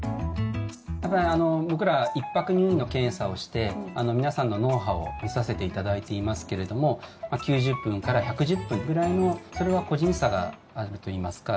僕ら１泊入院の検査をして皆さんの脳波を見させていただいていますけれども９０分から１１０分ぐらいのそれは個人差があるといいますか